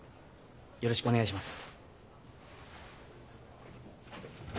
よろしくお願いします。